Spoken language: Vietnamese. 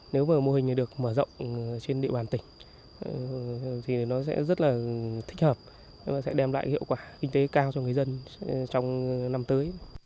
nếu mà mô hình này được mở rộng trên địa bàn tỉnh thì nó sẽ rất là thích hợp nó sẽ đem lại hiệu quả kinh tế cao cho người dân trong năm tới